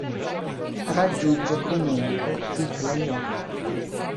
Raggiunge comunque i playoff.